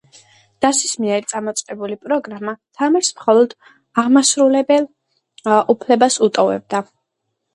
დასის მიერ წამოყენებული პოლიტიკური პროგრამა თამარს მხოლოდ აღმასრულებელ უფლებას უტოვებდა.